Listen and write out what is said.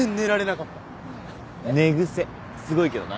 寝癖すごいけどな。